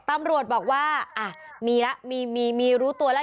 ตำรวจบอกว่าอ่ะมีแล้วมีมีรู้ตัวแล้ว